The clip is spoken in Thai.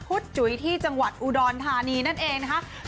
พุธจุ๋ยที่จังหวัดอุรนท์ทานีนั่นเองนะคะ